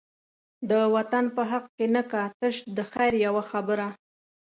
د وطن په حق کی نه کا، تش د خیر یوه خبره